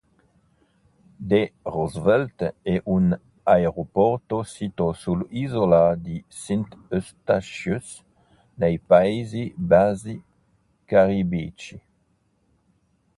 D. Roosevelt è un aeroporto sito sull'isola di Sint Eustatius, nei Paesi Bassi caraibici.